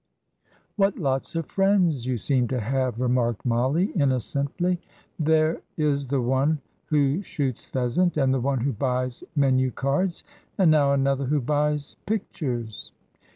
"What lots of friends you seem to have!" remarked Mollie, innocently. "There is the one who shoots pheasant, and the one who buys menu cards, and now another who buys pictures."